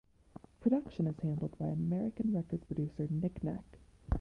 Production is handled by American record producer Nic Nac.